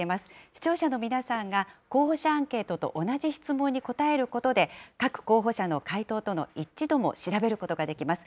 視聴者の皆さんが、候補者アンケートと同じ質問に答えることで、各候補者の回答との一致度も調べることができます。